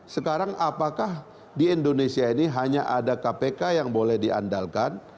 sekarang apakah di indonesia ini hanya ada kpk yang boleh diandalkan